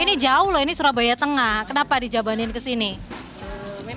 anda memerhantaskan abim baru femme ket acts ber satu udem lebih wah bagaimana andre